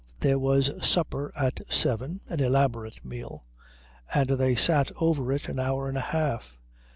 There was supper at seven, an elaborate meal, and they sat over it an hour and a half.